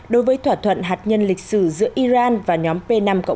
đối với thỏa thuận hạt nhân lịch sử giữa iran và nhóm p năm